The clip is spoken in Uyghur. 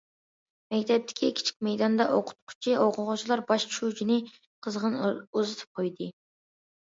مەكتەپتىكى كىچىك مەيداندا، ئوقۇتقۇچى- ئوقۇغۇچىلار باش شۇجىنى قىزغىن ئۇزىتىپ قويدى.